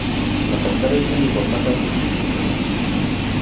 La cascada es un importante atractivo turístico.